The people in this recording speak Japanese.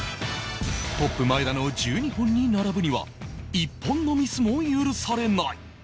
トップ前田の１２本に並ぶには１本のミスも許されない